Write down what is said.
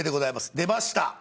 出ました。